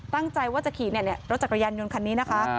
ตั้งใจว่าจะขี่รถจักรยานยนต์คันนี้นะคะ